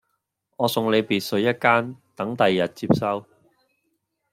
我送你別墅一間等第日接收